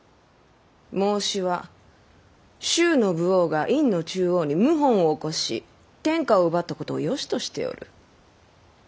孟子は周の武王が殷の紂王に謀反を起こし天下を奪ったことをよしとしておる。